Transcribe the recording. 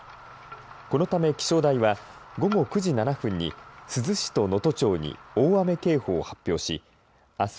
このため気象台は午後９時７分に珠洲市と能登町に大雨警報を発表しあす